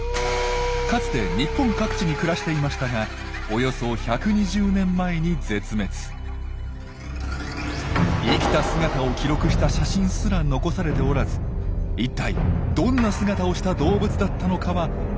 かつて日本各地に暮らしていましたが生きた姿を記録した写真すら残されておらず一体どんな姿をした動物だったのかは全くの謎。